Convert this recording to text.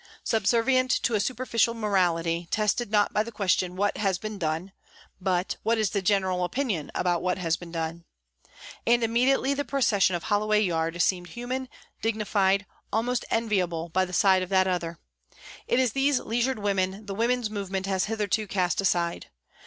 Subservient to a superficial morality, tested not by the question, " What has been done ?" but " What is the general opinion about what has been done ?" And im mediately the procession of Holloway yard seemed human, dignified, almost enviable by the side of that other. It is these leisured women the women's movement has hitherto cast aside.